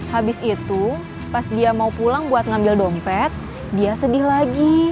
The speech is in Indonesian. habis itu pas dia mau pulang buat ngambil dompet dia sedih lagi